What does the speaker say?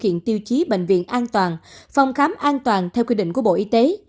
hiện tiêu chí bệnh viện an toàn phòng khám an toàn theo quy định của bộ y tế